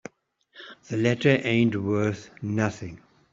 The letter ain't worth nothing.